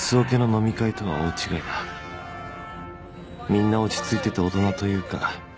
みんな落ち着いてて大人というか。